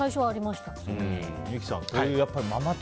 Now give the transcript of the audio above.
三木さん